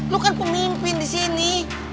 lu kan pemimpin di sini